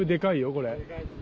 これ。